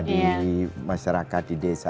di masyarakat di desa